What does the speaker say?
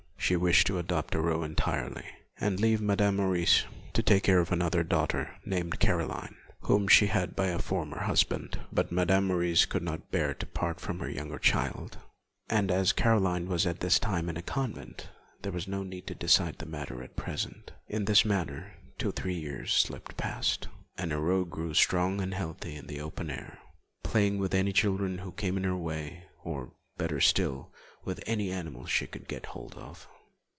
She wished to adopt Aurore entirely, and leave Madame Maurice to take care of another daughter named Caroline, whom she had had by a former husband. But Madame Maurice could not bear to part from her younger child, and as Caroline was at this time in a convent there was no need to decide the matter at present. In this manner two or three years slipped past, and Aurore grew strong and healthy in the open air, playing with any children who came in her way, or, better still, with any animals she could get hold of.